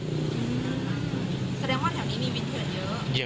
แสดงว่าแถวนี้มีวินเถื่อนเยอะ